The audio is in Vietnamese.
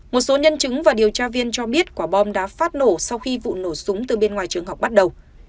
một số nhân chứng và điều tra viên cho biết quả bom đã phát nổ sau khi vụ nổ súng từ bên ngoài trường học bắt đầu